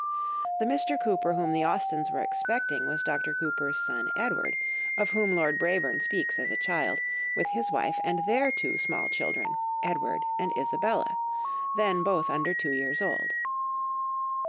The Mr. Cooper whom the Austens were expecting, was Dr. Cooper's son Edward, of whom Lord Brabourne speaks as a child, with his wife and their two small children, Edward and Isabella, then both under two years old.